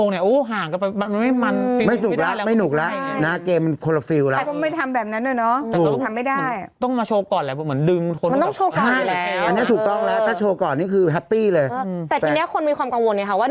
แต่ทีนี้คนมีความกังวลเลยครับว่าหนึ่ง